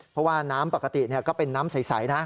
เพราะว่าน้ำปกติก็เป็นน้ำใสนะ